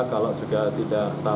kalau juga tidak tahu